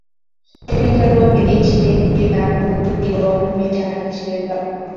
তিনি কেবল বিশ দিনার ও দু’টি ঘর মিরাস হিসেবে প্রাপ্ত হন।